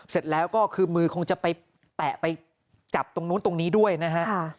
เสร็จแล้วก็คือมือคงจะไปแตะไปจับตรงนู้นตรงนี้ด้วยนะฮะ